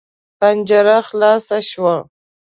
پنجره خلاصه شوه.